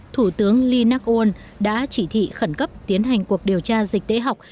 thủ tướng lee nak un đã chỉ thị khẩn cấp tiến hành cuộc điều tra dịch tễ học